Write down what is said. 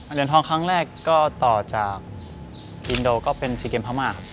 เหรียญทองครั้งแรกก็ต่อจากอินโดก็เป็น๔เกมพม่าครับ